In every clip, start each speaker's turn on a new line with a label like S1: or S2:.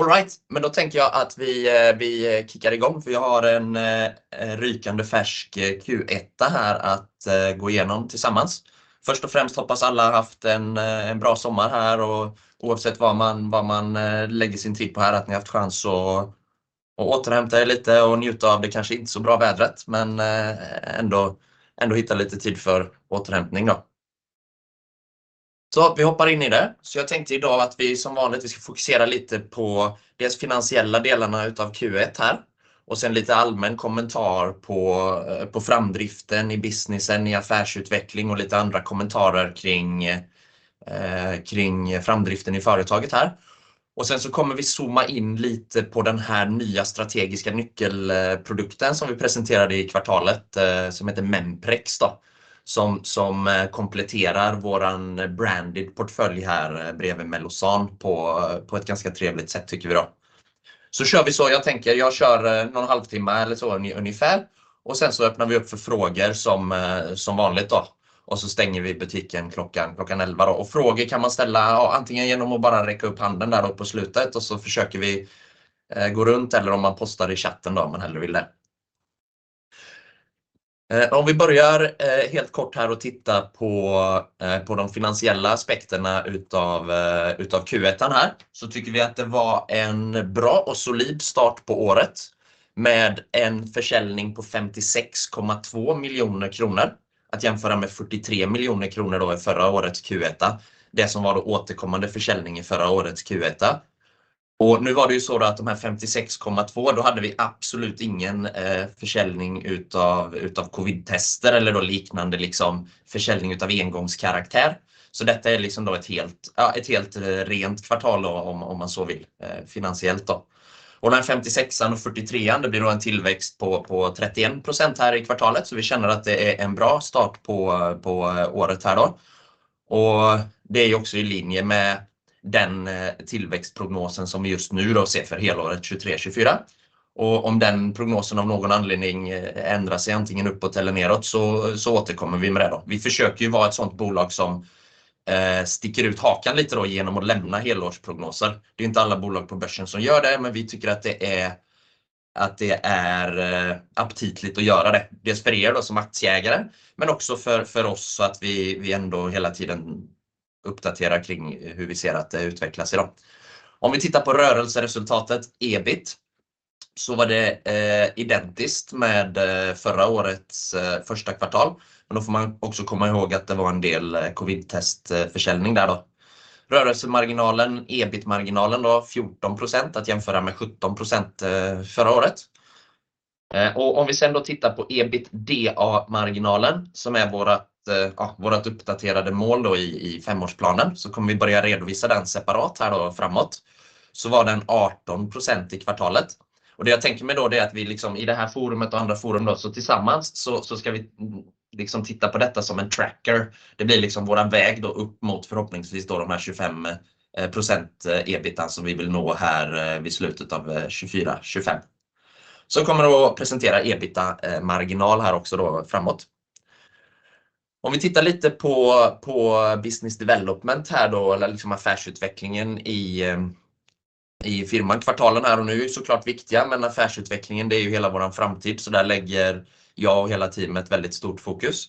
S1: Alright, men då tänker jag att vi kickar igång, för jag har en rykande färsk Q1 här att gå igenom tillsammans. Först och främst hoppas alla haft en bra sommar här och oavsett var man lägger sin tid på här, att ni haft chans att återhämta er lite och njuta av det kanske inte så bra vädret, men ändå hitta lite tid för återhämtning då. Vi hoppar in i det. Jag tänkte i dag att vi som vanligt ska fokusera lite på dels de finansiella delarna utav Q1 här och sedan lite allmän kommentar på framdriften i businessen, i affärsutveckling och lite andra kommentarer kring framdriften i företaget här. Sedan kommer vi zooma in lite på den här nya strategiska nyckelprodukten som vi presenterade i kvartalet, som heter Memprex, som kompletterar vår branded portfölj här bredvid Mellozzan på ett ganska trevligt sätt tycker vi. Jag tänker jag kör någon halvtimma eller så ungefär och sedan öppnar vi upp för frågor som vanligt och stänger vi butiken klockan 11:00. Frågor kan man ställa antingen genom att bara räcka upp handen där på slutet och så försöker vi gå runt, eller om man postar i chatten om man hellre vill det. Om vi börjar helt kort här och tittar på de finansiella aspekterna utav Q1 här, så tycker vi att det var en bra och solid start på året med en försäljning på 56,2 miljoner kronor. Att jämföra med 43 miljoner kronor i förra årets Q1, det som var återkommande försäljning i förra årets Q1. Nu var det ju så att de här 56,2, då hade vi absolut ingen försäljning av covidtester eller liknande, liksom försäljning av engångskaraktär. Detta är liksom ett helt rent kvartal, om man så vill, finansiellt. Och 56 och 43, det blir en tillväxt på 31% här i kvartalet, så vi känner att det är en bra start på året. Det är också i linje med den tillväxtprognosen som vi just nu ser för helåret 2023/2024. Om den prognosen av någon anledning ändrar sig antingen uppåt eller neråt, så återkommer vi med det. Vi försöker vara ett sådant bolag som sticker ut hakan lite, genom att lämna helårsprognoser. Det är inte alla bolag på börsen som gör det, men vi tycker att det är aptitligt att göra det. Dels för er som aktieägare, men också för oss, så att vi ändå hela tiden uppdaterar kring hur vi ser att det utvecklar sig. Om vi tittar på rörelseresultatet, EBIT, så var det identiskt med förra årets första kvartal. Man får också komma ihåg att det var en del covidtestförsäljning där. Rörelsemarginalen, EBIT-marginalen, 14% att jämföra med 17% förra året. Om vi sedan tittar på EBITDA-marginalen, som är vårt uppdaterade mål i femårsplanen, så kommer vi börja redovisa den separat här framåt, så var den 18% i kvartalet. Det jag tänker mig är att vi i det här forumet och andra forum tillsammans ska titta på detta som en tracker. Det blir vår väg upp mot förhoppningsvis de här 25% EBITA som vi vill nå här vid slutet av 2024, 2025. Vi kommer att presentera EBITA-marginal här också framåt. Om vi tittar lite på business development här, eller affärsutvecklingen i firman. Kvartalen här och nu är självklart viktiga, men affärsutvecklingen är ju hela vår framtid, så där lägger jag och hela teamet ett väldigt stort fokus.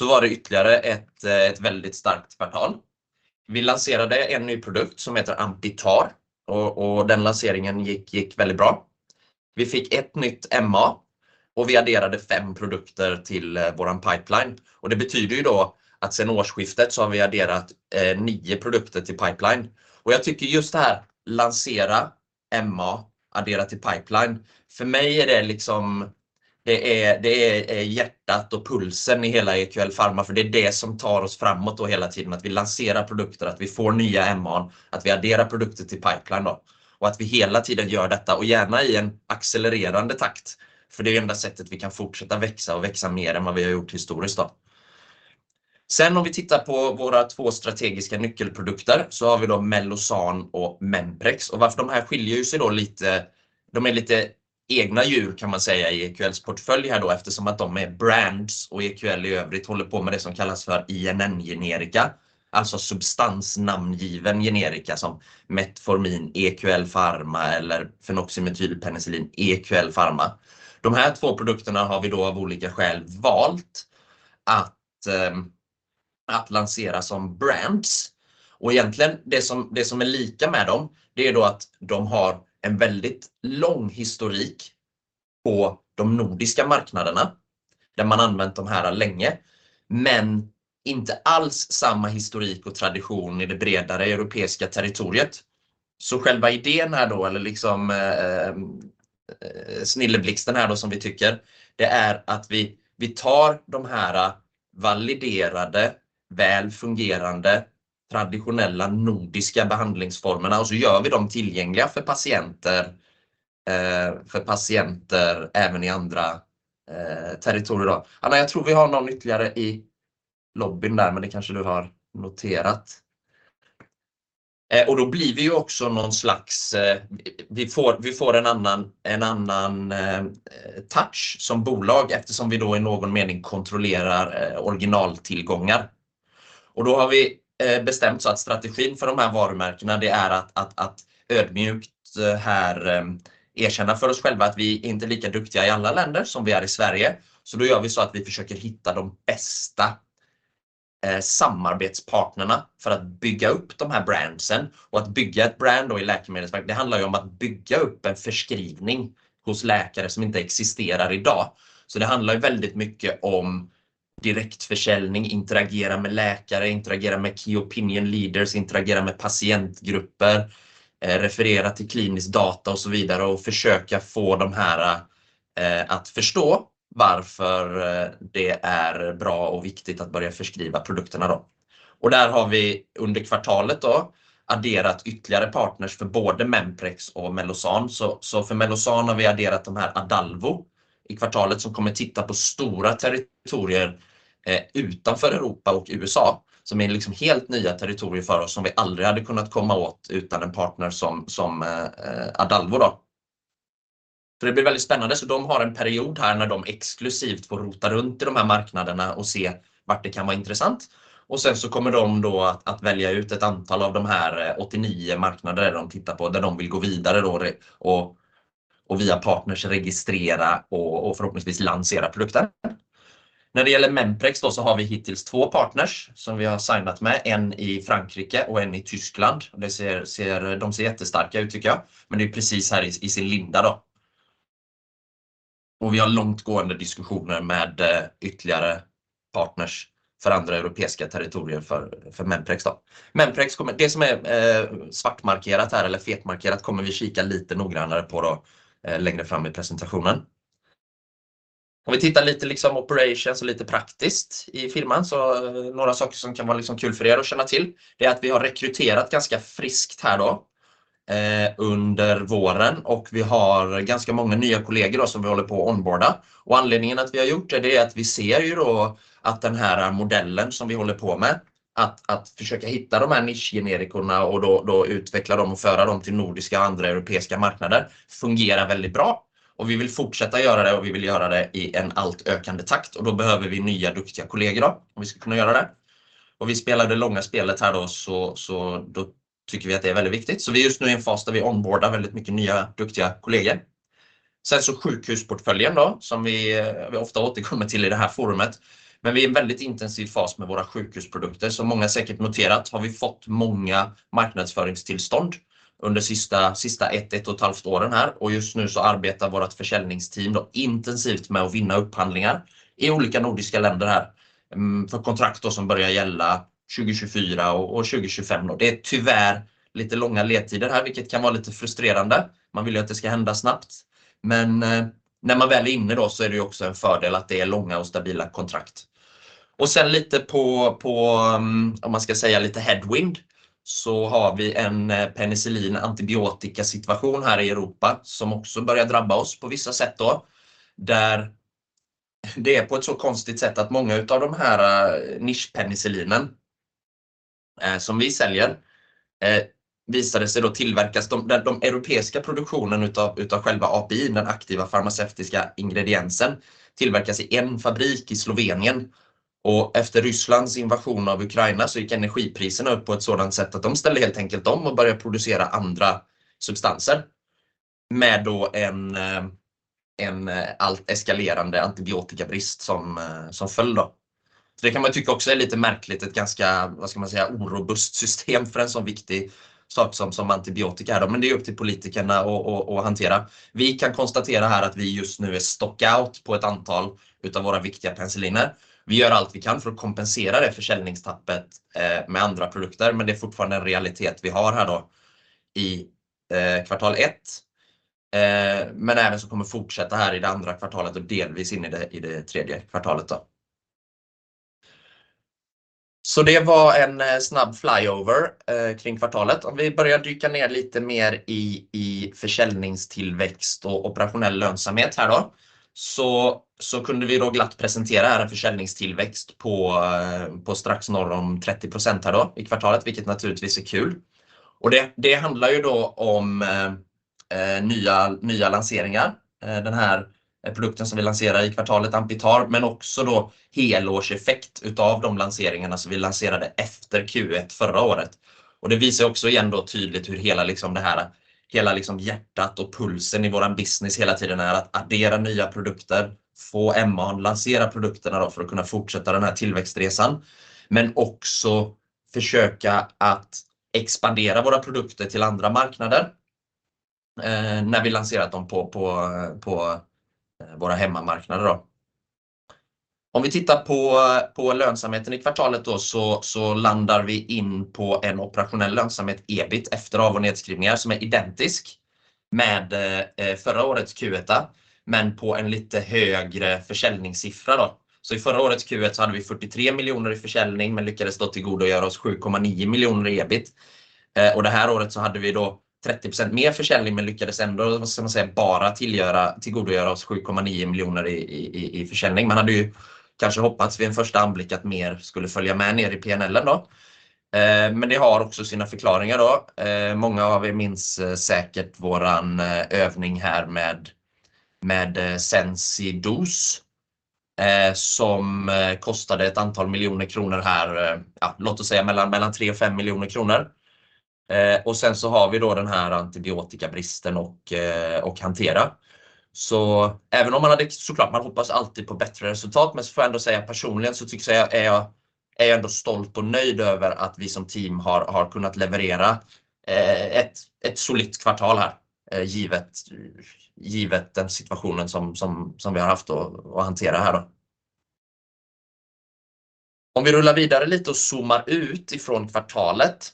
S1: Det var ytterligare ett väldigt starkt kvartal. Vi lanserade en ny produkt som heter Ampitar och den lanseringen gick väldigt bra. Vi fick ett nytt M&A och vi adderade fem produkter till vår pipeline. Det betyder att sedan årsskiftet har vi adderat nio produkter till pipeline. Just det här, lansera MA, addera till pipeline – för mig är det hjärtat och pulsen i hela EQL Pharma, för det är det som tar oss framåt hela tiden: att vi lanserar produkter, att vi får nya MA, att vi adderar produkter till pipeline, och att vi hela tiden gör detta, gärna i en accelererande takt, för det är det enda sättet vi kan fortsätta växa och växa mer än vad vi har gjort historiskt. Om vi tittar på våra två strategiska nyckelprodukter har vi Melozan och Memprex. Varför de här skiljer sig lite? De är lite egna djur, kan man säga, i EQLs portfölj här, eftersom att de är brands och EQL i övrigt håller på med det som kallas för INN-generika, alltså substansnamngiven generika som Metformin, EQL Pharma eller Fenoximetylpenicillin, EQL Pharma. De här två produkterna har vi av olika skäl valt att lansera som brands. Det som är lika med dem är att de har en väldigt lång historik på de nordiska marknaderna, där man använt de här länge, men inte alls samma historik och tradition i det bredare europeiska territoriet. Själva idén här, eller snilleblixten, som vi tycker, är att vi tar de här validerade, väl fungerande, traditionella nordiska behandlingsformerna och gör dem tillgängliga för patienter även i andra territorier. Anna, jag tror vi har någon ytterligare i lobbyn där, men det kanske du har noterat. Vi får en annan touch som bolag eftersom vi i någon mening kontrollerar originaltillgångar. Vi har bestämt att strategin för de här varumärkena är att ödmjukt erkänna för oss själva att vi inte är lika duktiga i alla länder som vi är i Sverige. Vi försöker hitta de bästa samarbetspartnerna för att bygga upp de här brandsen. Att bygga ett brand i läkemedelsmarknad handlar om att bygga upp en förskrivning hos läkare som inte existerar i dag. Det handlar väldigt mycket om direktförsäljning, interagera med läkare, interagera med key opinion leaders, interagera med patientgrupper, referera till klinisk data och så vidare och försöka få de här att förstå varför det är bra och viktigt att börja förskriva produkterna. Under kvartalet har vi adderat ytterligare partners för både Memprex och MelloSan. För MelloSan har vi adderat Adalvo i kvartalet, som kommer titta på stora territorier utanför Europa och USA, som är helt nya territorier för oss som vi aldrig hade kunnat komma åt utan en partner som Adalvo. Det blir väldigt spännande, de har en period här när de exklusivt får rota runt i de här marknaderna och se vart det kan vara intressant. Och sen kommer de att välja ut ett antal av de här åttionio marknader där de tittar på, där de vill gå vidare och via partners registrera och förhoppningsvis lansera produkten. När det gäller Memprex har vi hittills två partners som vi har signat med, en i Frankrike och en i Tyskland. De ser jättestarka ut tycker jag, men det är precis här i sin linda. Och vi har långtgående diskussioner med ytterligare partners för andra europeiska territorier för Memprex. Memprex kommer, det som är fetmarkerat här kommer vi kika lite noggrannare på längre fram i presentationen. Om vi tittar lite på operations och lite praktiskt i firman, så är några saker som kan vara kul för er att känna till att vi har rekryterat ganska friskt här under våren och vi har ganska många nya kollegor som vi håller på att onboarda. Anledningen till att vi har gjort det är att vi ser att den här modellen som vi håller på med, att försöka hitta de här nischgenerikorna och utveckla dem och föra dem till nordiska och andra europeiska marknader, fungerar väldigt bra och vi vill fortsätta göra det och vi vill göra det i en allt ökande takt. Då behöver vi nya duktiga kollegor om vi ska kunna göra det. Vi spelar det långa spelet här, så vi tycker att det är väldigt viktigt. Vi är just nu i en fas där vi onboardar väldigt många nya duktiga kollegor. Sjukhusportföljen, som vi ofta återkommer till i det här forumet, är vi i en väldigt intensiv fas med våra sjukhusprodukter. Som många säkert noterat har vi fått många marknadsföringstillstånd under det senaste ett till ett och ett halvt åren, och just nu arbetar vårt försäljningsteam intensivt med att vinna upphandlingar i olika nordiska länder. Det gäller kontrakt som börjar gälla 2024 och 2025. Det är tyvärr lite långa ledtider här, vilket kan vara lite frustrerande. Man vill ju att det ska hända snabbt, men när man väl är inne är det också en fördel att det är långa och stabila kontrakt. Sen lite på headwind, så har vi en penicillin-antibiotikasituation här i Europa som också börjar drabba oss på vissa sätt. Det är på ett så konstigt sätt att många av de här nischpenicillinen, som vi säljer, visade det sig tillverkas — den europeiska produktionen av själva API, den aktiva farmaceutiska ingrediensen, tillverkas i en fabrik i Slovenien. Efter Rysslands invasion av Ukraina gick energipriserna upp på ett sådant sätt att de ställde helt enkelt om och började producera andra substanser, med en allt eskalerande antibiotikabrist som följd. Det kan man tycka också är lite märkligt, ett ganska orobust system för en sådan viktig sak som antibiotika. Men det är upp till politikerna att hantera. Vi kan konstatera här att vi just nu är stock out på ett antal av våra viktiga penicilliner. Vi gör allt vi kan för att kompensera det försäljningstappet med andra produkter, men det är fortfarande en realitet vi har här i kvartal ett. Men även som kommer fortsätta här i det andra kvartalet och delvis in i det tredje kvartalet. Så det var en snabb fly over kring kvartalet. Om vi börjar dyka ner lite mer i försäljningstillväxt och operationell lönsamhet här, så kunde vi glatt presentera en försäljningstillväxt på strax norr om 30% här i kvartalet, vilket naturligtvis är kul. Det handlar ju om nya lanseringar. Den här produkten som vi lanserar i kvartalet, Ampitar, men också helårseffekt av de lanseringarna som vi lanserade efter Q1 förra året. Det visar också tydligt hur hela hjärtat och pulsen i vår business hela tiden är att addera nya produkter, få MA lansera produkterna för att kunna fortsätta den här tillväxtresan, men också försöka att expandera våra produkter till andra marknader när vi lanserat dem på våra hemmamarknader. Om vi tittar på lönsamheten i kvartalet så landar vi in på en operationell lönsamhet, EBIT efter av- och nedskrivningar, som är identisk med förra årets Q1, men på en lite högre försäljningssiffra. I förra årets Q1 hade vi 43 miljoner i försäljning, men lyckades tillgodogöra oss 7,9 miljoner i EBIT. Det här året hade vi 30% mer försäljning, men lyckades ändå bara tillgodogöra oss 7,9 miljoner i försäljning. Man hade kanske hoppats vid en första anblick att mer skulle följa med ner i PNL:n. Men det har också sina förklaringar. Många av er minns säkert vår övning här med Sensi Dose, som kostade ett antal miljoner kronor, låt oss säga mellan tre och fem miljoner kronor. Sen så har vi den här antibiotikabristen att hantera. Så även om man hade, så klart, man hoppas alltid på bättre resultat, men så får jag ändå säga personligen att jag är ändå stolt och nöjd över att vi som team har kunnat leverera ett solitt kvartal här, givet den situationen som vi har haft att hantera. Om vi rullar vidare lite och zoomar ut ifrån kvartalet,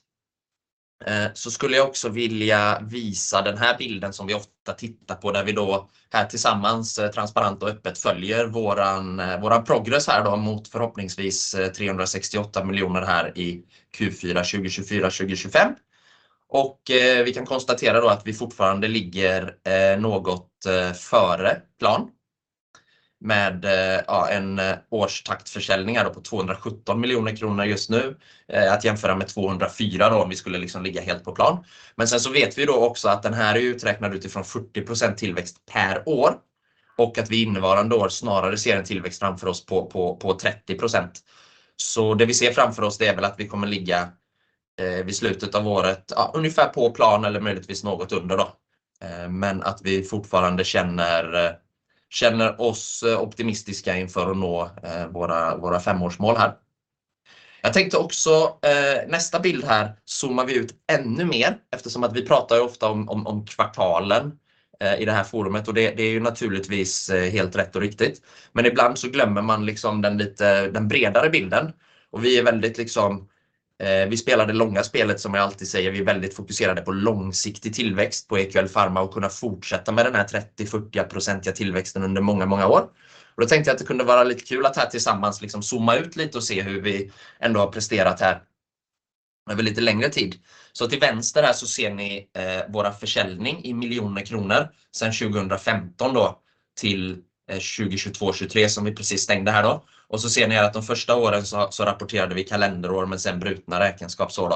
S1: så skulle jag också vilja visa den här bilden som vi ofta tittar på, där vi då här tillsammans, transparent och öppet följer vår progress här mot förhoppningsvis SEK 368 miljoner här i Q4 2024/2025. Vi kan konstatera att vi fortfarande ligger något före plan med en årstaktförsäljning på SEK 217 miljoner kronor just nu, att jämföra med SEK 204 miljoner om vi skulle ligga helt på plan. Sen vet vi också att den här är uträknad utifrån 40% tillväxt per år och att vi innevarande år snarare ser en tillväxt framför oss på 30%. Det vi ser framför oss är väl att vi kommer att ligga vid slutet av året ungefär på plan, eller möjligtvis något under. Men att vi fortfarande känner oss optimistiska inför att nå våra femårsmål här. Jag tänkte också att nästa bild här zoomar vi ut ännu mer, eftersom att vi pratar ofta om kvartalen i det här forumet, och det är ju naturligtvis helt rätt och riktigt, men ibland glömmer man liksom den bredare bilden. Vi är väldigt fokuserade på långsiktig tillväxt på EQL Pharma och kunna fortsätta med den här 30-40%-iga tillväxten under många, många år, vi spelar det långa spelet som jag alltid säger. Då tänkte jag att det kunde vara lite kul att här tillsammans zooma ut lite och se hur vi ändå har presterat här över lite längre tid. Till vänster ser ni vår försäljning i miljoner kronor sedan 2015 till 2022, 2023, som vi precis stängde. Ni ser att de första åren rapporterade vi kalenderår, men sedan brutna räkenskapsår.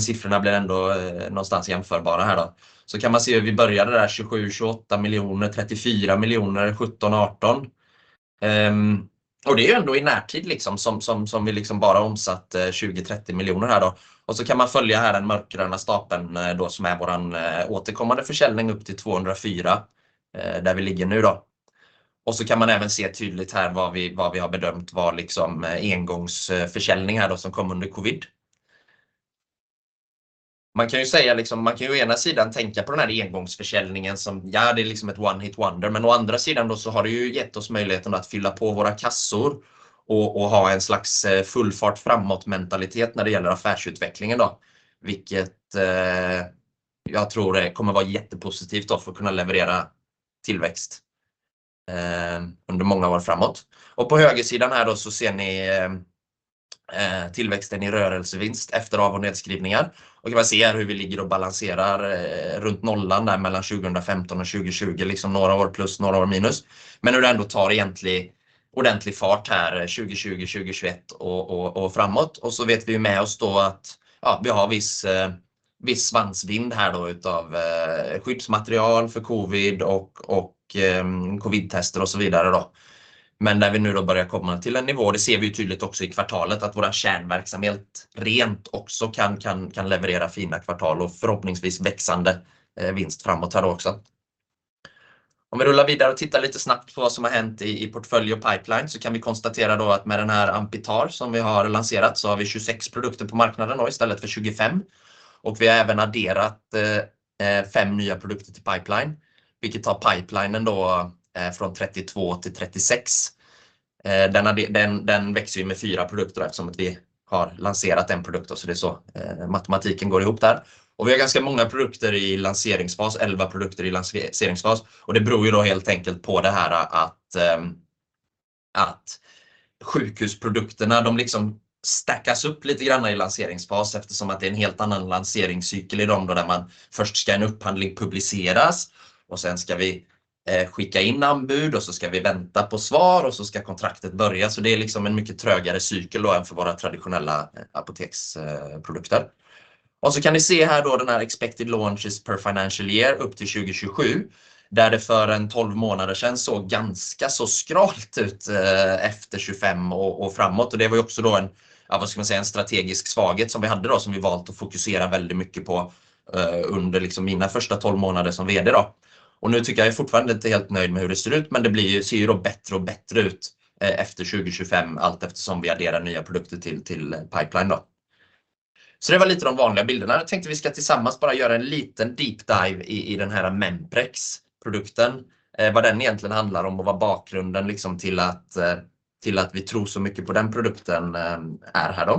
S1: Siffrorna blir ändå någonstans jämförbara. Man kan se hur vi började där, 27, 28 miljoner kronor, 34 miljoner kronor, 17, 18. Det är ändå i närtid som vi bara omsatte 20, 30 miljoner kronor. Man kan följa den mörkgröna stapeln, som är vår återkommande försäljning upp till 204 miljoner kronor, där vi ligger nu. Man kan även se tydligt vad vi har bedömt var engångsförsäljning, som kom under Covid. Man kan ju säga att man å ena sidan kan tänka på den här engångsförsäljningen som ett one hit wonder, men å andra sidan har det ju gett oss möjligheten att fylla på våra kassor och ha en slags full fart framåt-mentalitet när det gäller affärsutvecklingen. Vilket jag tror kommer vara jättepositivt för att kunna leverera tillväxt under många år framåt. På högersidan här ser ni tillväxten i rörelsevinst efter av- och nedskrivningar. Man kan se hur vi ligger och balanserar runt nollan där mellan 2015 och 2020, liksom några år plus, några år minus. Men hur det ändå tar ordentlig fart här 2020, 2021 och framåt. Vi vet med oss att vi har viss svansvind här utav skyddsmaterial för Covid och Covid-tester och så vidare. Men när vi nu börjar komma till en nivå, det ser vi tydligt också i kvartalet, att vår kärnverksamhet rent också kan leverera fina kvartal och förhoppningsvis växande vinst framåt här också. Om vi rullar vidare och tittar lite snabbt på vad som har hänt i portfölj och pipeline, kan vi konstatera att med den här Ampitar som vi har lanserat så har vi 26 produkter på marknaden istället för 25. Vi har även adderat fem nya produkter till pipeline, vilket tar pipelinen från 32 till 36. Den växer med fyra produkter eftersom att vi har lanserat en produkt, så det är så matematiken går ihop där. Vi har ganska många produkter i lanseringsfas, elva produkter i lanseringsfas. Det beror helt enkelt på att sjukhusprodukterna liksom stackas upp lite granna i lanseringsfas, eftersom att det är en helt annan lanseringscykel i dem, där man först ska en upphandling publiceras och sedan ska vi skicka in anbud och så ska vi vänta på svar och så ska kontraktet börja. Det är liksom en mycket trögare cykel än för våra traditionella apoteksprodukter. Ni kan se här den här Expected Launches per Financial Year upp till 2027, där det för tolv månader sedan såg ganska skralt ut efter 2025 och framåt. Det var också en strategisk svaghet som vi hade, som vi valt att fokusera väldigt mycket på under mina första tolv månader som vd. Nu är jag fortfarande inte helt nöjd med hur det ser ut, men det ser ju bättre och bättre ut efter 2025, allt eftersom vi adderar nya produkter till pipeline. Det var lite de vanliga bilderna. Jag tänkte vi ska tillsammans bara göra en liten deep dive i den här Memprex-produkten, vad den egentligen handlar om och vad bakgrunden till att vi tror så mycket på den produkten är.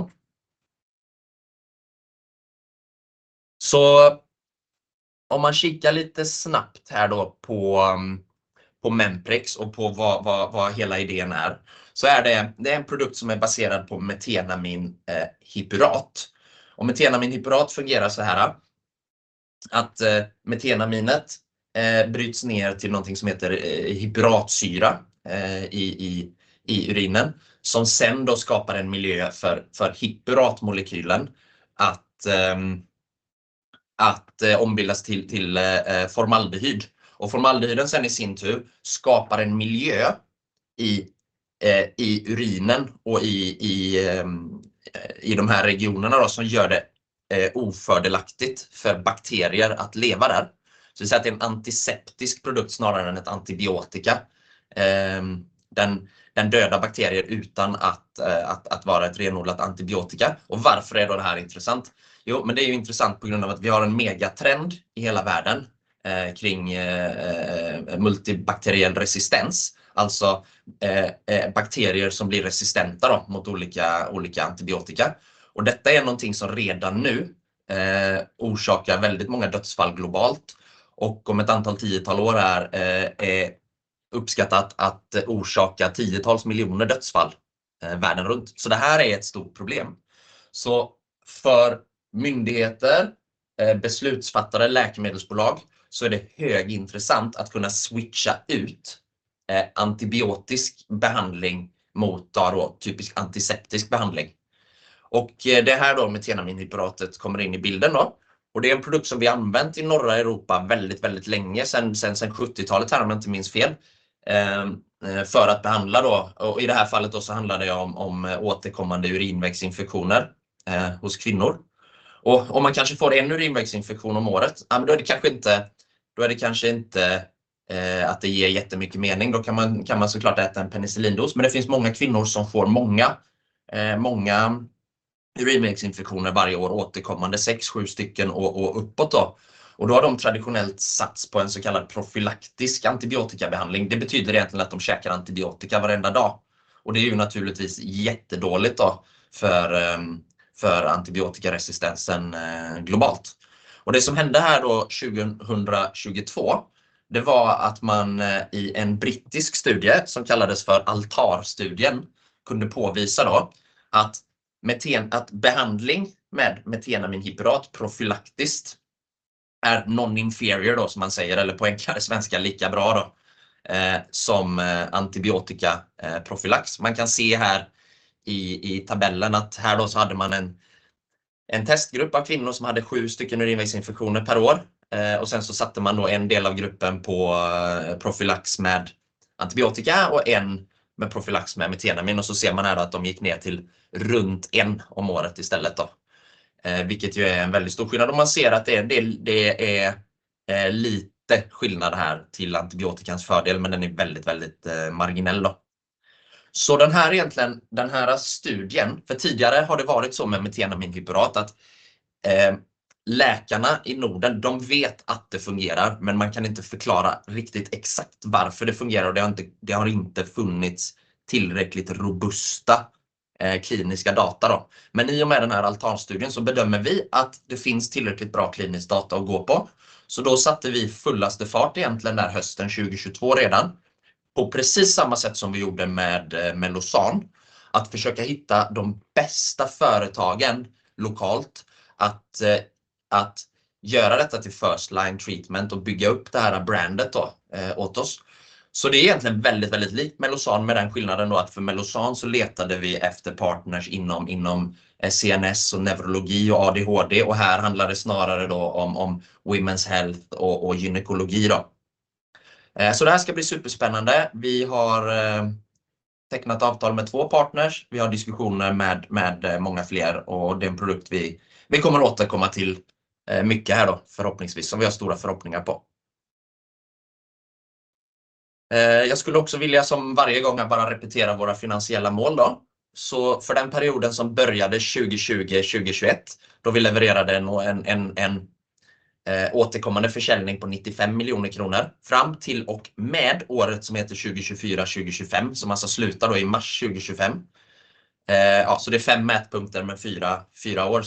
S1: Om man kikar lite snabbt här på Memprex och på vad hela idén är, så är det en produkt som är baserad på metenamin hyppurat. Metenamin hyppurat fungerar såhär: metenaminet bryts ner till någonting som heter hippursyra i urinen, som sedan skapar en miljö för hyppuratmolekylen att ombildas till formaldehyd, och formaldehyden skapar sedan i sin tur en miljö i urinen och i de här regionerna som gör det ofördelaktigt för bakterier att leva där. Det är en antiseptisk produkt snarare än ett antibiotika. Den dödar bakterier utan att vara ett renodlat antibiotika. Varför är då det här intressant? Det är intressant på grund av att vi har en megatrend i hela världen kring multibakteriell resistens, alltså bakterier som blir resistenta mot olika antibiotika. Detta är någonting som redan nu orsakar väldigt många dödsfall globalt och om ett antal tiotal år är uppskattat att orsaka tiotals miljoner dödsfall världen runt. Det här är ett stort problem. För myndigheter, beslutsfattare och läkemedelsbolag är det högintressant att kunna switcha ut antibiotisk behandling mot typiskt antiseptisk behandling. Det är här metenaminhipuratet kommer in i bilden. Det är en produkt som vi använt i norra Europa väldigt, väldigt länge, sedan sjuttiotalet om jag inte minns fel, för att behandla återkommande urinvägsinfektioner hos kvinnor. Om man kanske får en urinvägsinfektion om året, ja men då är det kanske inte att det ger jättemycket mening. Då kan man så klart äta en penicillindos, men det finns många kvinnor som får många urinvägsinfektioner varje år, återkommande sex, sju stycken och uppåt. Och då har de traditionellt satsat på en så kallad profylaktisk antibiotikabehandling. Det betyder egentligen att de käkar antibiotika varenda dag och det är ju naturligtvis jättedåligt för antibiotikaresistensen globalt. Det som hände här 2022 var att man i en brittisk studie, som kallades för ALTAR-studien, kunde påvisa att behandling med metenaminhipurat profylaktiskt är non inferior, som man säger, eller på enklare svenska, lika bra, som antibiotika profylax. Man kan se här i tabellen att här hade man en testgrupp av kvinnor som hade sju stycken urinvägsinfektioner per år. Sen satte man en del av gruppen på profylax med antibiotika och en med profylax med metenamin. Man ser här att de gick ner till runt en om året istället. Vilket ju är en väldigt stor skillnad, och man ser att det är lite skillnad här till antibiotikans fördel, men den är väldigt, väldigt marginell. Den här studien, tidigare har det varit så med metenaminhipurat att läkarna i Norden vet att det fungerar, men man kan inte förklara riktigt exakt varför det fungerar. Det har inte funnits tillräckligt robusta kliniska data. Men i och med den här ALTAR-studien bedömer vi att det finns tillräckligt bra klinisk data att gå på. Så satte vi fullaste fart egentligen redan hösten 2022. På precis samma sätt som vi gjorde med Melozan, att försöka hitta de bästa företagen lokalt, att göra detta till first line treatment och bygga upp det här brandet åt oss. Det är egentligen väldigt likt Melozan, med den skillnaden att för Melozan letade vi efter partners inom CNS och neurologi och ADHD, och här handlar det snarare om women's health och gynekologi. Det här ska bli superspännande. Vi har tecknat avtal med två partners, vi har diskussioner med många fler och det är en produkt vi kommer att återkomma till mycket här, förhoppningsvis, som vi har stora förhoppningar på. Jag skulle också vilja, som varje gång, bara repetera våra finansiella mål. För den perioden som började 2020-2021, då vi levererade en återkommande försäljning på 95 miljoner kronor fram till och med året som heter 2024-2025, som alltså slutar i mars 2025. Det är fem mätpunkter med fyra år.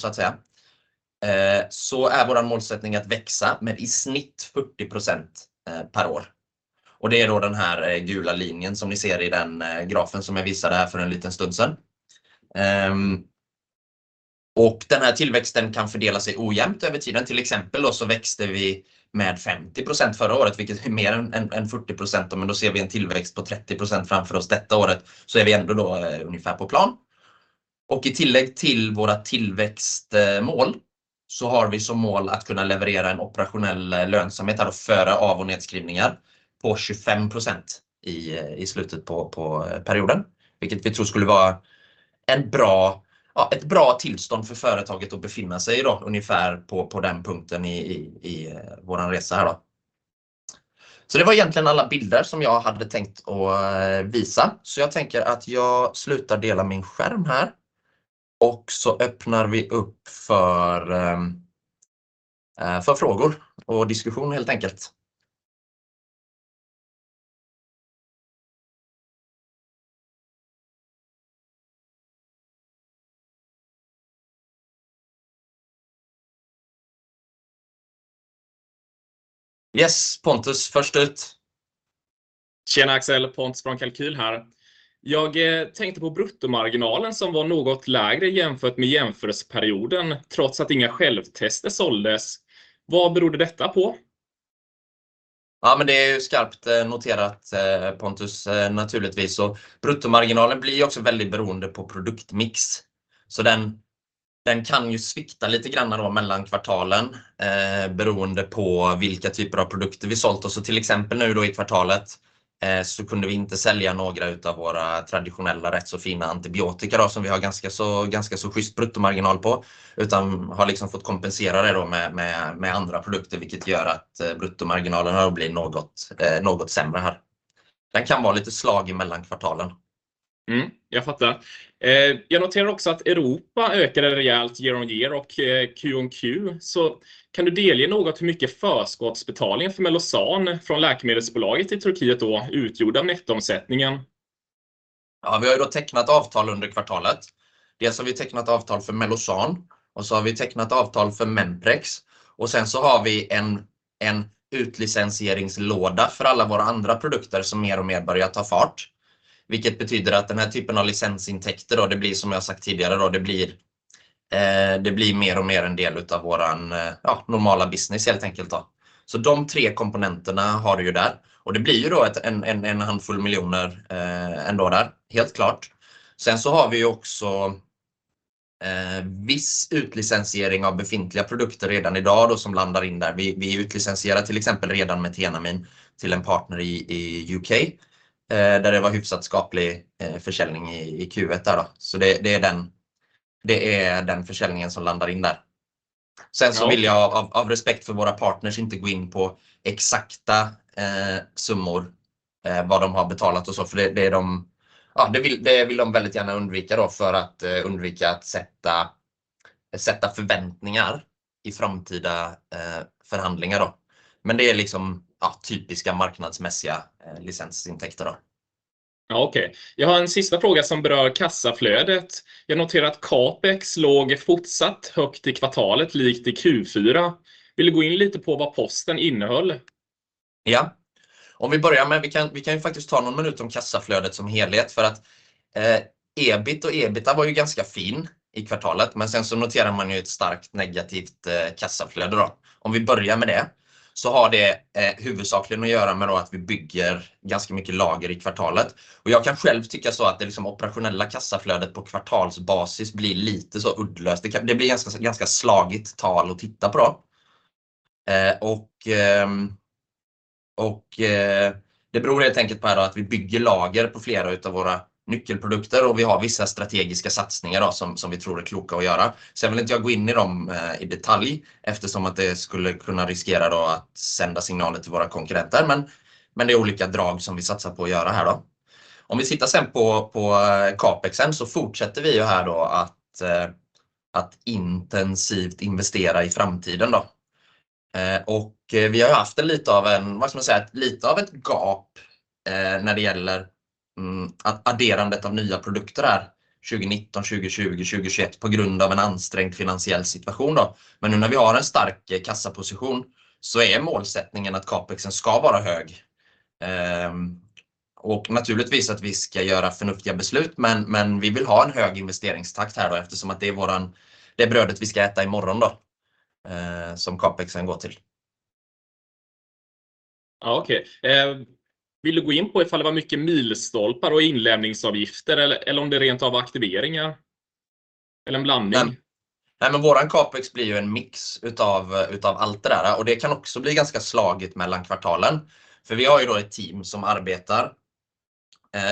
S1: Vår målsättning är att växa med i snitt 40% per år. Det är den här gula linjen som ni ser i den grafen som jag visade här för en liten stund sedan. Den här tillväxten kan fördela sig ojämnt över tiden. Till exempel växte vi med 50% förra året, vilket är mer än 40%. Men då ser vi en tillväxt på 30% framför oss detta året, så är vi ändå ungefär på plan. Och i tillägg till våra tillväxtmål så har vi som mål att kunna leverera en operationell lönsamhet, här då före av och nedskrivningar, på 25% i slutet på perioden, vilket vi tror skulle vara ett bra tillstånd för företaget att befinna sig i då, ungefär på den punkten i vår resa här. Så det var egentligen alla bilder som jag hade tänkt att visa. Jag tänker att jag slutar dela min skärm här och så öppnar vi upp för frågor och diskussion helt enkelt. Yes, Pontus, först ut.
S2: Tjena Axel, Pontus från Kalqyl här. Jag tänkte på bruttomarginalen som var något lägre jämfört med jämförelseperioden, trots att inga självtester såldes. Vad berodde detta på?
S1: Ja, men det är ju skarpt noterat, Pontus, naturligtvis. Bruttomarginalen blir också väldigt beroende på produktmix, så den kan ju svikta lite grann mellan kvartalen, beroende på vilka typer av produkter vi sålt. Nu i kvartalet kunde vi inte sälja några av våra traditionella, rätt så fina antibiotika, som vi har ganska så schysst bruttomarginal på, utan har fått kompensera det med andra produkter, vilket gör att bruttomarginalen blir något sämre här. Den kan vara lite slagig mellan kvartalen.
S2: Jag fattar. Jag noterar också att Europa ökade rejält year on year och Q on Q. Kan du delge något hur mycket förskottsbetalningen för MelloSan från läkemedelsbolaget i Turkiet då utgjorde av nettoomsättningen?
S1: Vi har tecknat avtal under kvartalet. Dels har vi tecknat avtal för MelloSan och dels har vi tecknat avtal för Memprex. Sen har vi en utlicenseringslåda för alla våra andra produkter som mer och mer börjar ta fart, vilket betyder att den här typen av licensintäkter, och det blir som jag sagt tidigare, det blir mer och mer en del av vår normala business helt enkelt. De tre komponenterna har du där och det blir en handfull miljoner ändå, helt klart. Vi har också viss utlicensiering av befintliga produkter redan i dag som landar in där. Vi utlicensierar till exempel redan med Metenamin till en partner i UK, där det var hyfsat skaplig försäljning i Q1. Det är den försäljningen som landar in där. Av respekt för våra partners vill jag inte gå in på exakta summor, vad de har betalat och så. Det är dem, ja, det vill de väldigt gärna undvika för att undvika att sätta förväntningar i framtida förhandlingar. Det är liksom typiska marknadsmässiga licensintäkter.
S2: Ja, okej, jag har en sista fråga som berör kassaflödet. Jag noterar att capex låg fortsatt högt i kvartalet, likt i Q4. Vill du gå in lite på vad posten innehöll?
S1: Om vi börjar med kassaflödet som helhet, så kan vi ta någon minut om det. EBIT och EBITDA var ju ganska fina i kvartalet, men sen noterar man ju ett starkt negativt kassaflöde. Det har huvudsakligen att göra med att vi bygger ganska mycket lager i kvartalet. Det operationella kassaflödet på kvartalsbasis blir lite uddlöst, det blir ganska slagigt tal att titta på. Det beror helt enkelt på att vi bygger lager på flera utav våra nyckelprodukter och vi har vissa strategiska satsningar som vi tror är kloka att göra. Jag vill inte gå in i dem i detalj, eftersom att det skulle kunna riskera att sända signaler till våra konkurrenter. Det är olika drag som vi satsar på att göra här. Om vi tittar på Capex, så fortsätter vi att intensivt investera i framtiden. Vi har haft lite av ett gap när det gäller adderandet av nya produkter här 2019, 2020, 2021, på grund av en ansträngd finansiell situation. Men nu när vi har en stark kassaposition så är målsättningen att Capex ska vara hög. Naturligtvis ska vi göra förnuftiga beslut, men vi vill ha en hög investeringstakt här, eftersom det är brödet vi ska äta i morgon, som Capex går till.
S2: Vill du gå in på ifall det var mycket milstolpar och inlämningsavgifter, eller om det rent av är aktiveringar? Eller en blandning?
S1: Vår Capex blir en mix av allt det där och det kan också bli ganska slagigt mellan kvartalen. Vi har ett team som arbetar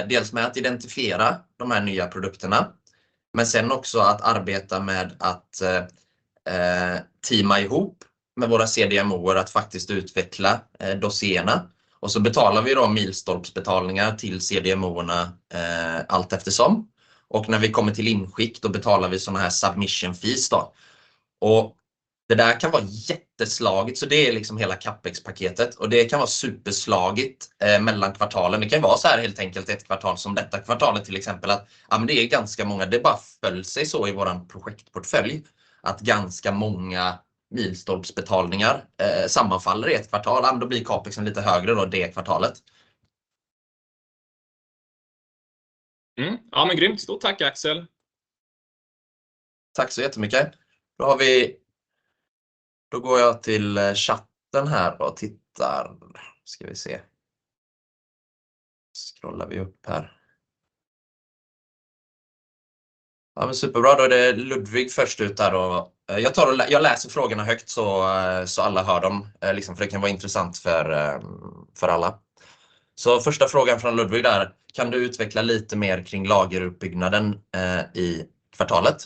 S1: dels med att identifiera de här nya produkterna, men också med att teama ihop med våra CDMOer för att faktiskt utveckla doserna. Vi betalar milstolpsbetalningar till CDMOerna allt eftersom. När vi kommer till inskick betalar vi sådana här submission fees. Det där kan vara jätteslagigt, så det är liksom hela Capexpaketet och det kan vara superslagigt mellan kvartalen. Det kan vara så här, ett kvartal som detta kvartalet, till exempel, att det är ganska många. Det föll sig så i vår projektportfölj att ganska många milstolpsbetalningar sammanfaller i ett kvartal. Då blir Capex lite högre det kvartalet.
S2: Ja, men grymt. Stort tack, Axel!
S1: Tack så jättemycket! Då går jag till chatten här och tittar. Scrollar vi upp här. Ja, men superbra. Då är det Ludvig först ut där och jag tar, jag läser frågorna högt så alla hör dem, för det kan vara intressant för alla. Första frågan från Ludvig är: Kan du utveckla lite mer kring lagerutbyggnaden i kvartalet?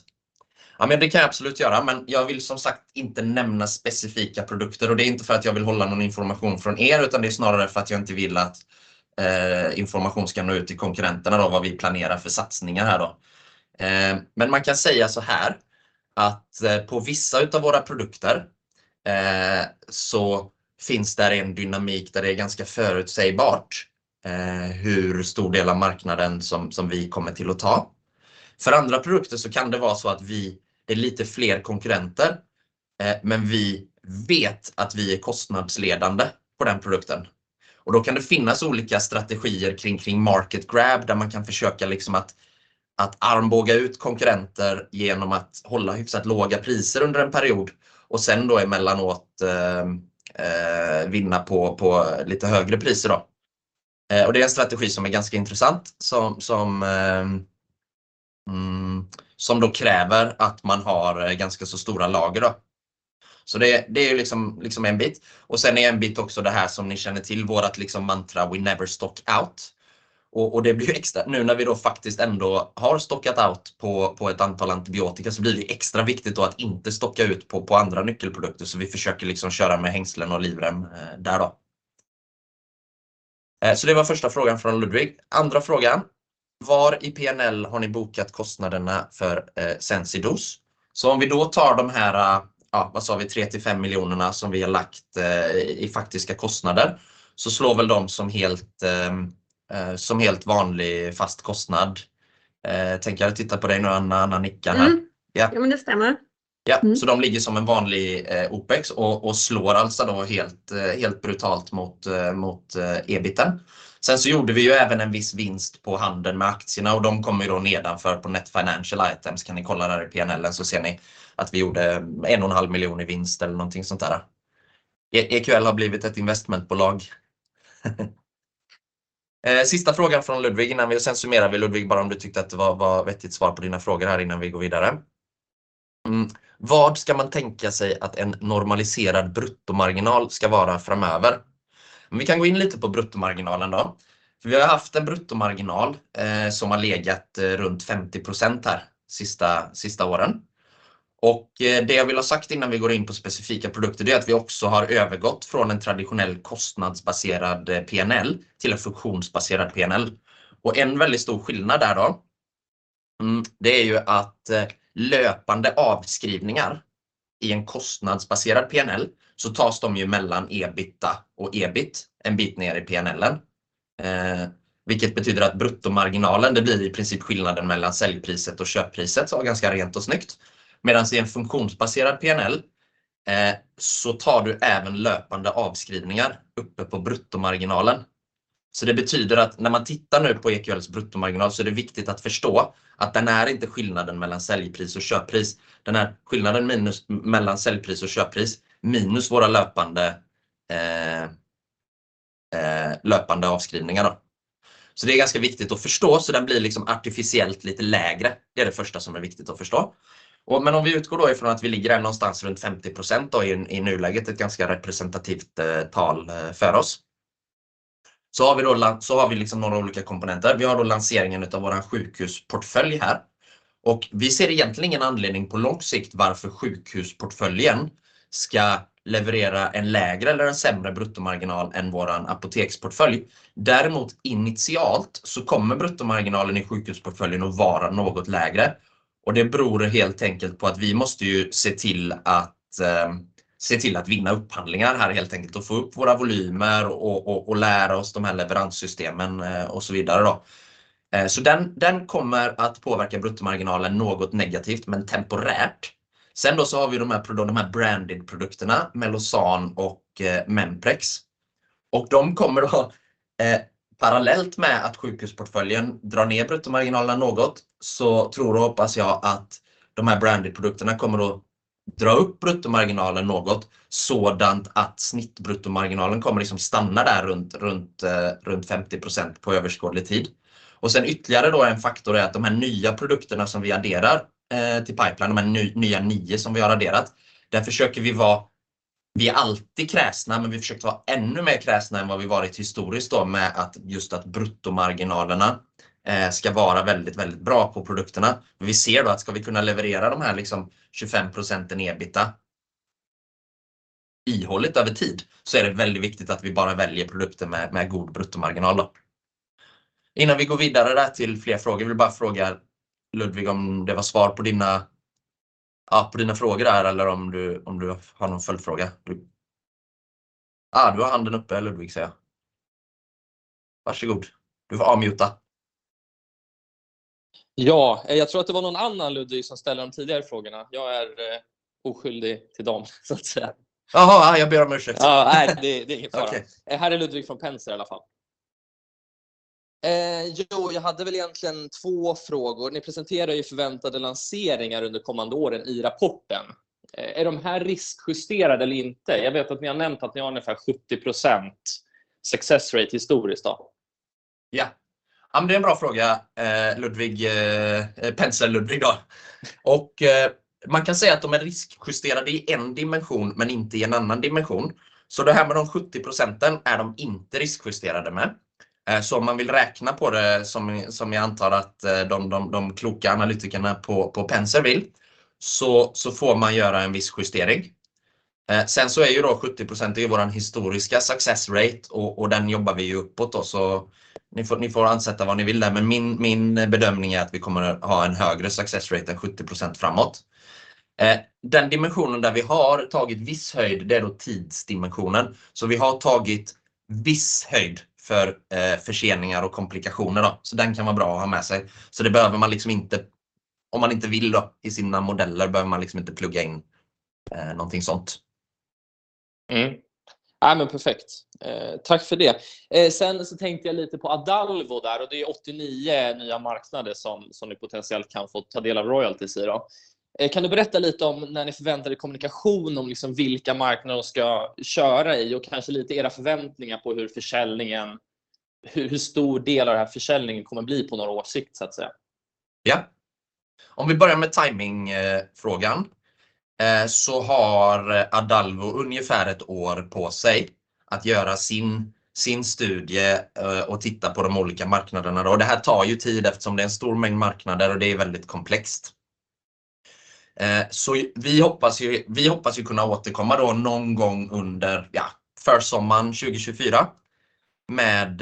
S1: Ja, men det kan jag absolut göra, men jag vill som sagt inte nämna specifika produkter och det är inte för att jag vill hålla någon information från er, utan det är snarare för att jag inte vill att information ska nå ut till konkurrenterna, vad vi planerar för satsningar här. På vissa utav våra produkter finns det en dynamik där det är ganska förutsägbart hur stor del av marknaden som vi kommer till att ta. För andra produkter kan det vara så att det är lite fler konkurrenter, men vi vet att vi är kostnadsledande på den produkten och då kan det finnas olika strategier kring market grab, där man kan försöka att armbåga ut konkurrenter genom att hålla hyfsat låga priser under en period och sedan emellanåt vinna på lite högre priser. Det är en strategi som är ganska intressant, som då kräver att man har ganska så stora lager. Det är liksom en bit. Sen är en bit också det här som ni känner till, vårt mantra: We never stock out. Det blir extra viktigt nu när vi faktiskt ändå har stockat out på ett antal antibiotika, så blir det extra viktigt att inte stocka ut på andra nyckelprodukter. Vi försöker köra med hängslen och livrem där. Det var första frågan från Ludvig. Andra frågan: Var i P&L har ni bokat kostnaderna för Sensidos? Om vi tar de här tre till fem miljonerna som vi har lagt i faktiska kostnader, så slår de som helt vanlig fast kostnad. Jag tittar på dig nu, Anna nickar här.
S2: Ja, men det stämmer.
S1: De ligger som en vanlig Opex och slår alltså helt brutalt mot EBITDA. Vi gjorde även en viss vinst på handeln med aktierna och de kommer nedanför på Net Financial Items. Kan ni kolla där i PNL så ser ni att vi gjorde 1,5 miljoner i vinst eller någonting sådant där. EQL har blivit ett investmentbolag. Sista frågan från Ludvig, innan vi summerar — Ludvig, bara om du tyckte att det var ett vettigt svar på dina frågor här innan vi går vidare. Vad ska man tänka sig att en normaliserad bruttomarginal ska vara framöver? Vi kan gå in lite på bruttomarginalen då. Vi har haft en bruttomarginal som har legat runt 50% här de sista åren. Det jag vill ha sagt innan vi går in på specifika produkter är att vi också har övergått från en traditionell cost-based P&L till en function-based P&L. En väldigt stor skillnad där är att löpande avskrivningar i en cost-based P&L tas mellan EBITA och EBIT en bit ner i P&L:en, vilket betyder att bruttomarginalen blir i princip skillnaden mellan säljpriset och köppriset, så ganska rent och snyggt. I en function-based P&L tar du även löpande avskrivningar uppe på bruttomarginalen. Det betyder att när man tittar nu på EQLs bruttomarginal är det viktigt att förstå att den inte är skillnaden mellan säljpris och köppris. Den är skillnaden minus säljpris och köppris, minus våra löpande avskrivningar. Det är ganska viktigt att förstå, så den blir liksom artificiellt lite lägre. Det är det första som är viktigt att förstå. Men om vi utgår ifrån att vi ligger någonstans runt 50% i nuläget, ett ganska representativt tal för oss, så har vi några olika komponenter. Vi har lanseringen av vår sjukhusportfölj här och vi ser egentligen ingen anledning på lång sikt varför sjukhusportföljen ska leverera en lägre eller en sämre bruttomarginal än vår apoteksportfölj. Däremot, initialt, kommer bruttomarginalen i sjukhusportföljen att vara något lägre och det beror helt enkelt på att vi måste se till att vinna upphandlingar här, helt enkelt att få upp våra volymer och lära oss de här leveranssystemen och så vidare. Den kommer att påverka bruttomarginalen något negativt, men temporärt. Sedan har vi de här branded-produkterna, Melosan och Memprex, och de kommer då parallellt med att sjukhusportföljen drar ner bruttomarginalen något. Jag tror och hoppas att de här branded-produkterna kommer att dra upp bruttomarginalen något, så att snittbruttomarginalen kommer stanna där runt 50% på överskådlig tid. Ytterligare en faktor är att de här nya produkterna som vi adderar till pipeline, de här nya nio som vi har adderat, där försöker vi vara ännu mer kräsna än vad vi varit historiskt, med att just bruttomarginalerna ska vara väldigt, väldigt bra på produkterna. Vi ser att ska vi kunna leverera de här, liksom 25% EBITA ihålligt över tid, så är det väldigt viktigt att vi bara väljer produkter med god bruttomarginal. Innan vi går vidare till fler frågor, vill jag bara fråga Ludvig om det var svar på dina frågor eller om du har någon följdfråga. Du har handen uppe, Ludvig. Varsågod, du får unmuta.
S2: Ja, jag tror att det var någon annan Ludvig som ställde de tidigare frågorna. Jag är oskyldig till dem, så att säga.
S1: Ja, jag ber om ursäkt.
S2: Ja, nej, det är ingen fara.
S1: Okej.
S2: Här är Ludvig från Penser. Jag hade egentligen två frågor. Ni presenterar ju förväntade lanseringar under kommande åren i rapporten. Är de här riskjusterade eller inte? Jag vet att ni har nämnt att ni har ungefär 70% success rate historiskt.
S1: Ja, det är en bra fråga, Ludvig, Penser Ludvig då. Man kan säga att de är riskjusterade i en dimension, men inte i en annan dimension. Det här med de 70% är de inte riskjusterade med. Om man vill räkna på det, som jag antar att de kloka analytikerna på Penser vill, så får man göra en viss justering. 70% är vår historiska success rate och den jobbar vi uppåt, så ni får ansätta vad ni vill där. Min bedömning är att vi kommer att ha en högre success rate än 70% framåt. Den dimensionen där vi har tagit viss höjd, det är tidsdimensionen. Vi har tagit viss höjd för förseningar och komplikationer, så den kan vara bra att ha med sig. Det behöver man inte, om man inte vill, i sina modeller behöver man inte plugga in någonting sånt.
S2: Nej, men perfekt. Tack för det! Sen så tänkte jag lite på Adalvo där, och det är 89 nya marknader som ni potentiellt kan få ta del av royalties i. Kan du berätta lite om när ni förväntade kommunikation om vilka marknader de ska köra i, och kanske lite era förväntningar på hur försäljningen, hur stor del av den här försäljningen kommer bli på några års sikt?
S1: Om vi börjar med timingfrågan, så har Adalvo ungefär ett år på sig att göra sin studie och titta på de olika marknaderna. Det här tar ju tid eftersom det är en stor mängd marknader och det är väldigt komplext. Vi hoppas ju kunna återkomma någon gång under försommaren 2024 med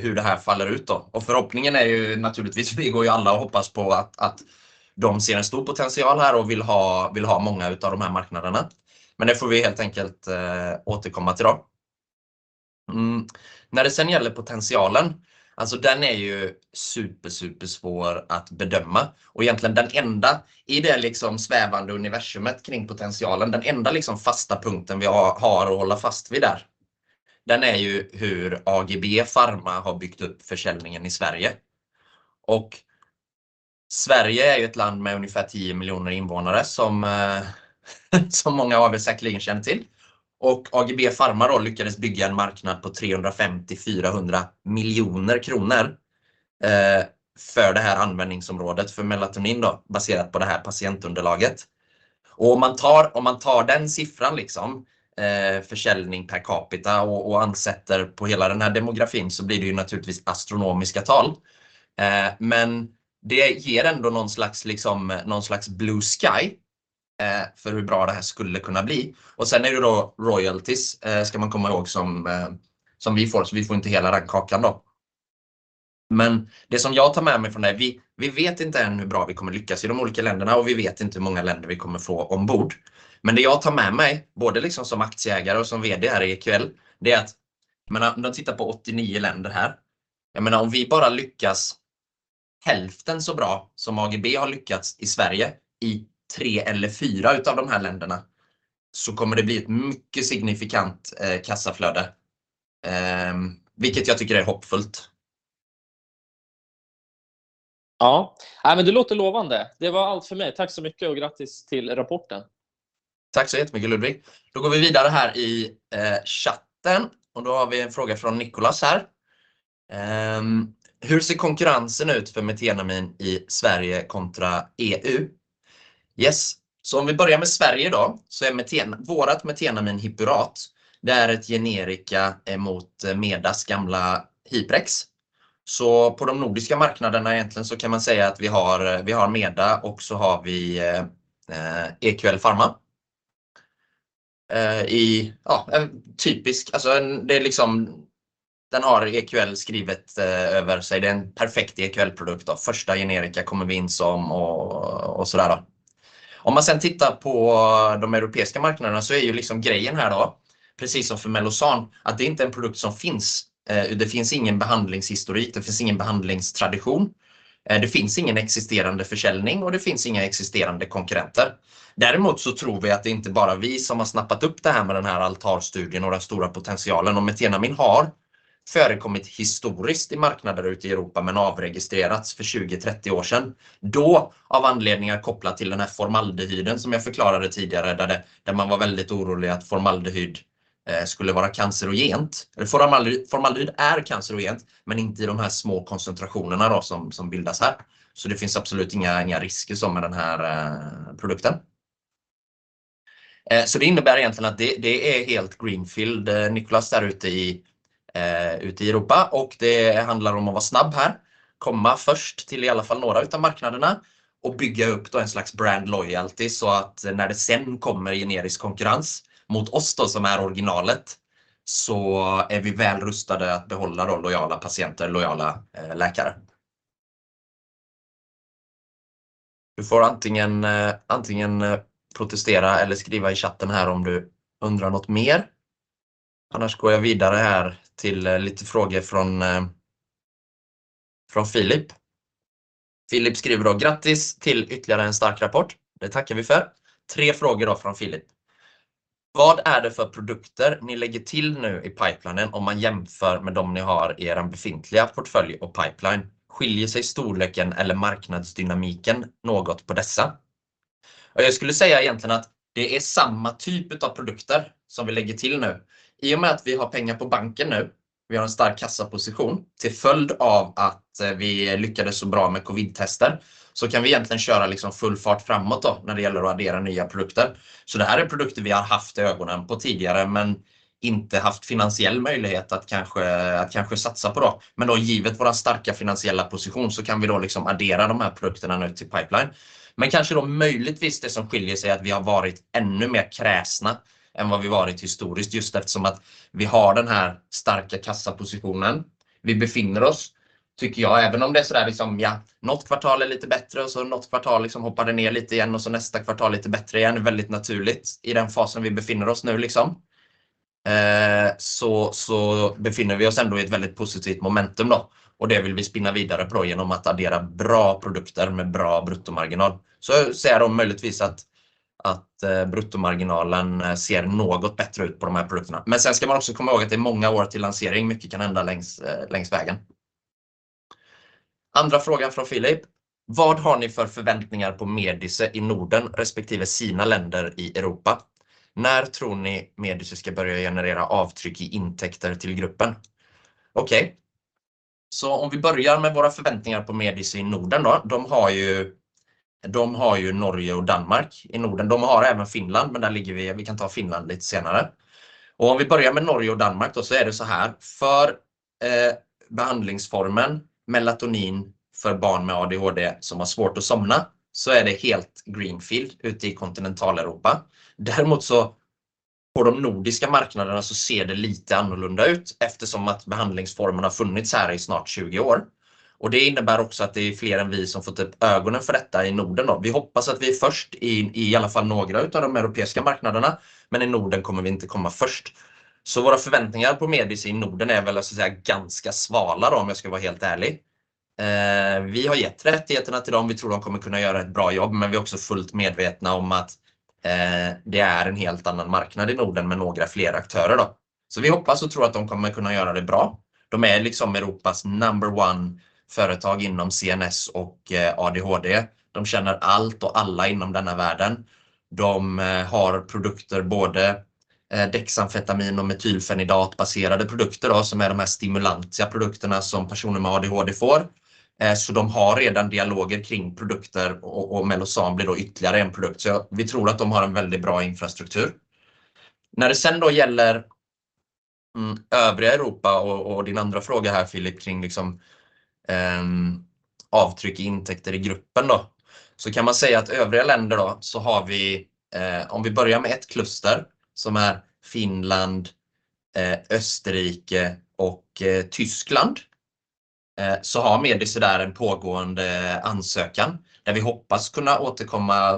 S1: hur det här faller ut. Förhoppningen är ju naturligtvis att de ser en stor potential här och vill ha många av de här marknaderna. Men det får vi helt enkelt återkomma till. När det sedan gäller potentialen är den ju super, supersvår att bedöma. Egentligen den enda fasta punkten vi har att hålla fast vid i det liksom svävande universumet kring potentialen, den är ju hur AGB Pharma har byggt upp försäljningen i Sverige. Sverige är ju ett land med ungefär tio miljoner invånare, som många av er säkerligen känner till. AGB Pharma lyckades bygga en marknad på SEK 350–400 miljoner för det här användningsområdet, för melatonin, baserat på det här patientunderlaget. Om man tar den siffran, försäljning per capita, och ansätter på hela den här demografin så blir det ju naturligtvis astronomiska tal. Det ger ändå någon slags blue sky för hur bra det här skulle kunna bli. Sen är det royalties, ska man komma ihåg, som vi får, så vi får inte hela den kakan. Det jag tar med mig från det är att vi vet inte än hur bra vi kommer lyckas i de olika länderna och vi vet inte hur många länder vi kommer få ombord. Det jag tar med mig, både som aktieägare och som VD här i EQL, är att om man tittar på 89 länder här, om vi bara lyckas hälften så bra som AGB har lyckats i Sverige, i tre eller fyra av de här länderna, så kommer det bli ett mycket signifikant kassaflöde, vilket jag tycker är hoppfullt.
S2: Ja, nej, men det låter lovande. Det var allt för mig. Tack så mycket och grattis till rapporten!
S1: Tack så jättemycket, Ludvig. Vi går vidare här i chatten och vi har en fråga från Nicholas. Hur ser konkurrensen ut för metenamin i Sverige kontra EU? Om vi börjar med Sverige, vårt metenamin Hiprex, det är ett generika mot Medas gamla Hiprex. På de nordiska marknaderna kan man säga att vi har Meda och vi har EQL Pharma. Det är en typisk EQL-produkt. Första generika kommer vi in som och sådär. Om man tittar på de europeiska marknaderna är grejen här, precis som för Melosan, att det är inte en produkt som finns. Det finns ingen behandlingshistorik, det finns ingen behandlingstradition, det finns ingen existerande försäljning och det finns inga existerande konkurrenter. Däremot tror vi att det inte bara är vi som har snappat upp det här med den här ALTAR-studien och den stora potentialen. Metenamin har förekommit historiskt i marknader ute i Europa, men avregistrerats för tjugo, trettio år sedan, av anledningar kopplat till den här formaldehyden, som jag förklarade tidigare, där man var väldigt orolig att formaldehyd skulle vara cancerogent. Formaldehyd är cancerogent, men inte i de här små koncentrationerna som bildas här. Det finns absolut inga risker med den här produkten. Det innebär egentligen att det är helt greenfield, Nicholas, där ute i Europa, och det handlar om att vara snabb här, komma först till åtminstone några av marknaderna och bygga upp en slags brand loyalty, så att när det sedan kommer generisk konkurrens mot oss, som är originalet, så är vi väl rustade att behålla lojala patienter och lojala läkare. Du får antingen protestera eller skriva i chatten här om du undrar något mer. Annars går jag vidare här till lite frågor från Philip. Philip skriver: Grattis till ytterligare en stark rapport! Det tackar vi för. Tre frågor från Philip: Vad är det för produkter ni lägger till nu i pipelinen om man jämför med de ni har i er befintliga portfölj och pipeline? Skiljer sig storleken eller marknadsdynamiken något på dessa? Jag skulle säga att det är samma typ av produkter som vi lägger till nu. I och med att vi har pengar på banken nu, vi har en stark kassaposition, till följd av att vi lyckades så bra med covid-testen, så kan vi köra full fart framåt när det gäller att addera nya produkter. Det här är produkter vi har haft i ögonen tidigare, men inte haft finansiell möjlighet att satsa på. Men givet vår starka finansiella position, så kan vi addera de här produkterna nu till pipeline. Möjligtvis det som skiljer sig är att vi har varit ännu mer kräsna än vad vi varit historiskt, just eftersom att vi har den här starka kassapositionen. Vi befinner oss, tycker jag, även om det är sådär, något kvartal är lite bättre och något kvartal hoppar det ner lite igen och nästa kvartal lite bättre igen. Väldigt naturligt i den fasen vi befinner oss nu. Vi befinner oss ändå i ett väldigt positivt momentum och det vill vi spinna vidare på genom att addera bra produkter med bra bruttomarginal. De säger möjligtvis att bruttomarginalen ser något bättre ut på de här produkterna. Men sen ska man också komma ihåg att det är många år till lansering. Mycket kan hända längs vägen. Andra frågan från Philip: Vad har ni för förväntningar på Medice i Norden respektive sina länder i Europa? När tror ni Medice ska börja generera avtryck i intäkter till gruppen? Om vi börjar med våra förväntningar på Medice i Norden, de har Norge och Danmark i Norden. De har även Finland, men där ligger vi — vi kan ta Finland lite senare. Om vi börjar med Norge och Danmark, så är det såhär: för behandlingsformen melatonin för barn med ADHD som har svårt att somna, så är det helt greenfield ute i Kontinentaleuropa. Däremot på de nordiska marknaderna ser det lite annorlunda ut, eftersom att behandlingsformen har funnits här i snart tjugo år. Det innebär också att det är fler än vi som fått upp ögonen för detta i Norden. Vi hoppas att vi är först i alla fall några utav de europeiska marknaderna, men i Norden kommer vi inte komma först. Våra förväntningar på Medice i Norden är ganska svala, om jag ska vara helt ärlig. Vi har gett rättigheterna till dem. Vi tror de kommer kunna göra ett bra jobb, men vi är också fullt medvetna om att det är en helt annan marknad i Norden med några fler aktörer. Vi hoppas och tror att de kommer kunna göra det bra. De är liksom Europas number one företag inom CNS och ADHD. De känner allt och alla inom denna världen. De har produkter, både dexamfetamin och metylfenidatbaserade produkter, som är de här stimulantia produkterna som personer med ADHD får. De har redan dialoger kring produkter och Melosam blir då ytterligare en produkt. Vi tror att de har en väldigt bra infrastruktur. När det sedan gäller övriga Europa och din andra fråga här, Philip, kring avtryck i intäkter i gruppen, så kan man säga att övriga länder, om vi börjar med ett kluster som är Finland, Österrike och Tyskland, så har Medice där en pågående ansökan, där vi hoppas kunna återkomma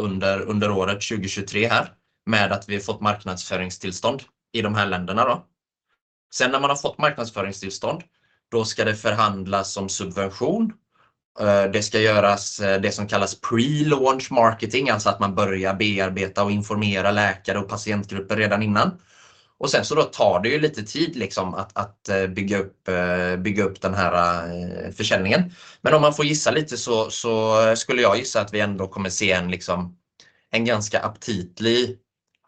S1: under året 2023 här, med att vi har fått marknadsföringstillstånd i de här länderna. Sen när man har fått marknadsföringstillstånd, ska det förhandlas om subvention. Det ska göras det som kallas pre-launch marketing, alltså att man börjar bearbeta och informera läkare och patientgrupper redan innan. Sen tar det lite tid att bygga upp den här försäljningen. Men om man får gissa lite så skulle jag gissa att vi ändå kommer att se en ganska aptitlig,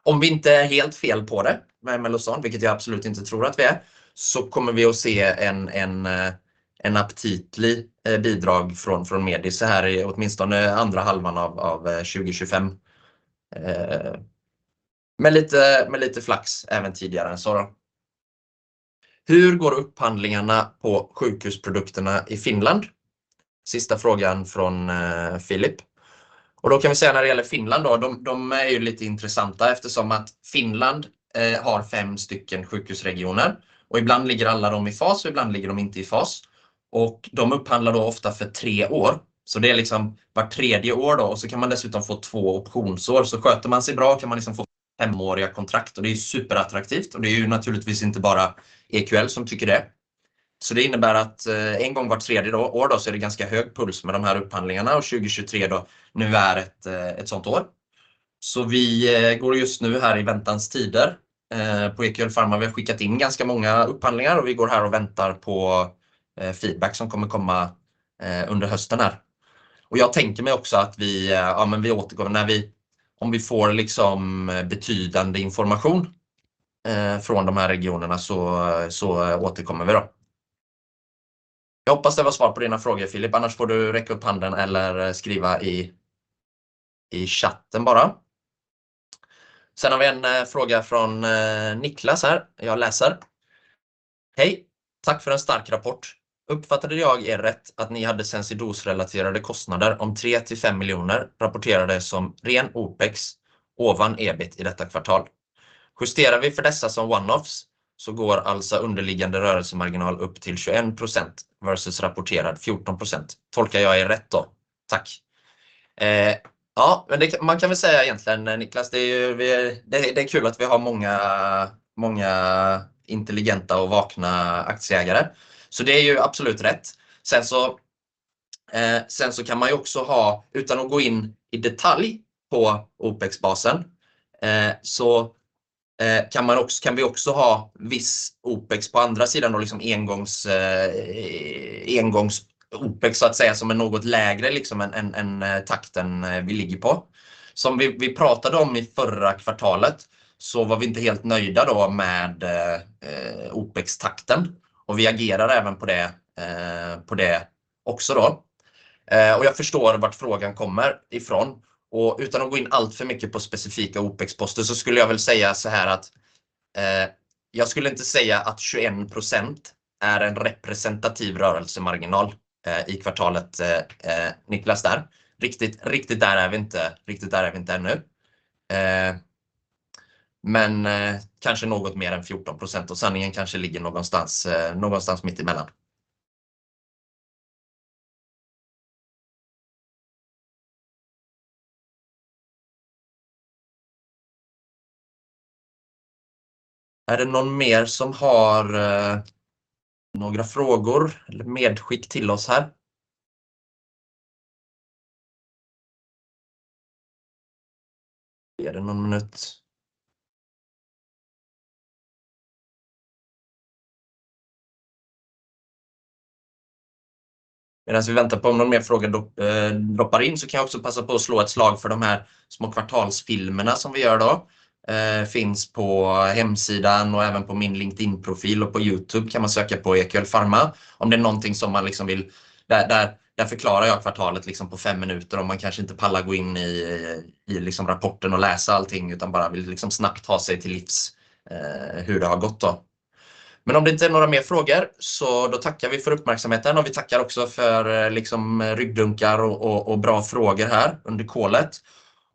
S1: om vi inte är helt fel på det med Melosam, vilket jag absolut inte tror att vi är, så kommer vi att se ett aptitligt bidrag från Medice här i åtminstone andra halvan av 2025. Med lite flax, även tidigare än så. Hur går upphandlingarna på sjukhusprodukterna i Finland? Det är sista frågan från Philip. När det gäller Finland är de lite intressanta eftersom att Finland har fem stycken sjukhusregioner och ibland ligger alla dem i fas och ibland ligger de inte i fas, och de upphandlar då ofta för tre år. Det är liksom vart tredje år, och man kan dessutom få två optionsår. Sköter man sig bra kan man få femåriga kontrakt, och det är superattraktivt, och det är naturligtvis inte bara EQL som tycker det. Det innebär att en gång vart tredje år är det ganska hög puls med de här upphandlingarna, och 2023 är ett sådant år. Vi går just nu här i väntans tider på EQL Pharma. Vi har skickat in ganska många upphandlingar och vi väntar på feedback som kommer komma under hösten. Jag tänker mig också att vi återgår, om vi får betydande information från de här regionerna, så återkommer vi då. Jag hoppas det var svar på dina frågor, Philip. Annars får du räcka upp handen eller skriva i chatten bara. Sen har vi en fråga från Niklas här. Jag läser. Hej, tack för en stark rapport! Uppfattade jag er rätt att ni hade Zensidos-relaterade kostnader om 3–5 miljoner rapporterade som ren Opex ovan EBIT i detta kvartal. Justerar vi för dessa som one-offs så går alltså underliggande rörelsemarginal upp till 21% versus rapporterad 14%. Tolkar jag er rätt då? Tack! Ja, man kan väl säga egentligen, Niklas, det är ju absolut rätt, och det är kul att vi har många intelligenta och vakna aktieägare. Sen kan man ju också, utan att gå in i detalj på Opex-basen, också ha viss Opex på andra sidan och liksom engångs-Opex, så att säga, som är något lägre än takten vi ligger på. Som vi pratade om i förra kvartalet, var vi inte helt nöjda med Opex-takten och vi agerar på det också. Jag förstår vart frågan kommer ifrån och utan att gå in alltför mycket på specifika Opex-poster, skulle jag väl säga såhär att jag inte skulle säga att 21% är en representativ rörelsemarginal i kvartalet, Niklas. Riktigt där är vi inte ännu. Men kanske något mer än 14% och sanningen kanske ligger någonstans mitt emellan. Är det någon mer som har några frågor eller medskick till oss här? Medan vi väntar på om någon mer fråga droppar in, kan jag också passa på att slå ett slag för de här små kvartalsfilmerna som vi gör. Finns på hemsidan och även på min LinkedIn-profil, och på YouTube kan man söka på EQL Pharma. Om det är någonting som man vill, där förklarar jag kvartalet på fem minuter. Om man kanske inte pallar gå in i rapporten och läsa allting, utan bara vill snabbt ta sig till livs hur det har gått. Men om det inte är några mer frågor, så tackar vi för uppmärksamheten och vi tackar också för ryggdunkar och bra frågor här under callet.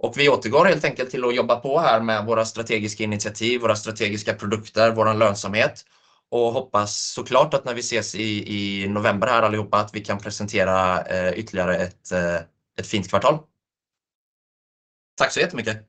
S1: Och vi återgår helt enkelt till att jobba på här med våra strategiska initiativ, våra strategiska produkter, vår lönsamhet och hoppas så klart att när vi ses i november här allihopa, att vi kan presentera ytterligare ett fint kvartal. Tack så jättemycket!